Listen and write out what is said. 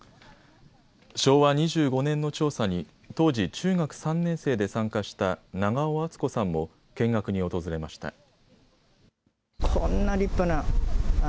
昭和２５年の調査に当時中学３年生で参加した長尾アツ子さんも見学に訪れました。